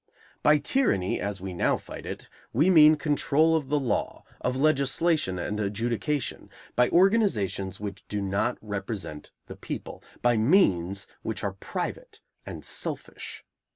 By tyranny, as we now fight it, we mean control of the law, of legislation and adjudication, by organizations which do not represent the people, by means which are private and selfish.